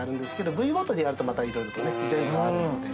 部位ごとでやるとまた色々とね全部あるので。